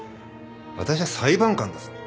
私は裁判官だぞ。